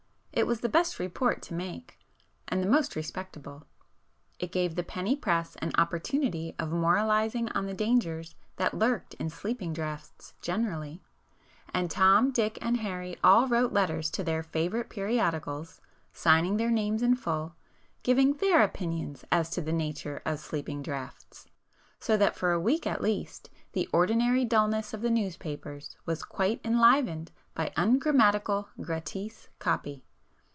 It was the best report to make,—and the most respectable. It gave the [p 427] penny press an opportunity of moralizing on the dangers that lurked in sleeping draughts generally,—and Tom, Dick, and Harry all wrote letters to their favorite periodicals (signing their names in full) giving their opinions as to the nature of sleeping draughts, so that for a week at least the ordinary dullness of the newspapers was quite enlivened by ungrammatical gratis 'copy.